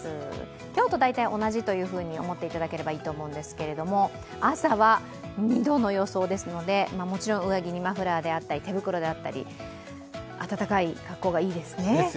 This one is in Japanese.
今日と大体同じと思っていただければいいと思うんですけど朝は２度の予想ですので上着にマフラーであったり手袋であったり暖かい格好がいいですね。